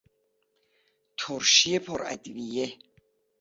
ترشی پر ادویه